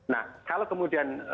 nah kalau kemudian